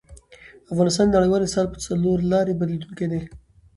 افغانستان د نړیوال اتصال په څلورلاري بدلېدونکی دی.